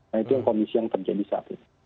nah itu yang kondisi yang terjadi saat itu